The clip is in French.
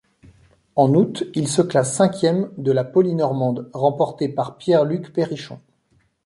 En août, il se classe cinquième de la Polynormande remportée par Pierre-Luc Périchon.